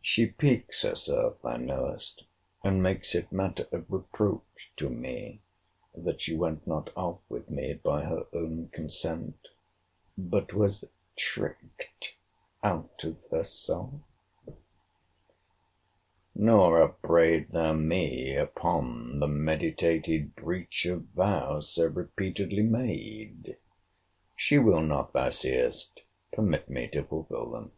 —She piques herself, thou knowest, and makes it matter of reproach to me, that she went not off with me by her own consent; but was tricked out of herself. Nor upbraid thou me upon the meditated breach of vows so repeatedly made. She will not, thou seest, permit me to fulfil them.